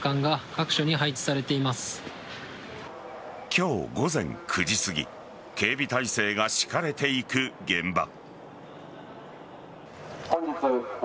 今日午前９時すぎ警備態勢が敷かれていく現場。